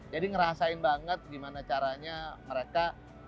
jadi ngerasain banget gimana caranya mereka